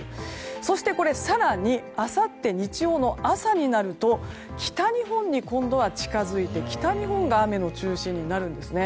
そして、更にあさって日曜の朝になると北日本に今度は近づいて北日本が雨の中心になるんですね。